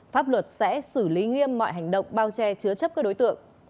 pháp luật sẽ xử lý nghiêm mọi hành động bao che chứa chấp các đối tượng